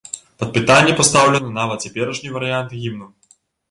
Пад пытанне пастаўлены нават цяперашні варыянт гімну.